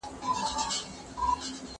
که وخت وي، درسونه لوستل کوم!.